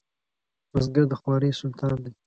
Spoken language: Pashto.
بزګر د خوارۍ سلطان دی